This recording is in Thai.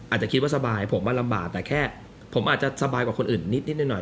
อาจจะคิดว่าสบายผมว่าลำบากแต่แค่ผมอาจจะสบายกว่าคนอื่นนิดหน่อย